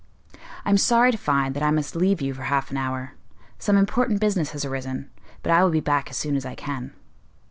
"I am sorry to find that I must leave you for half an hour; some important business has arisen, but I will be back as soon as I can."